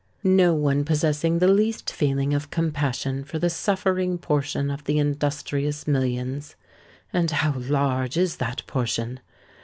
No one possessing the least feeling of compassion for the suffering portion of the industrious millions—(and how large is that portion!)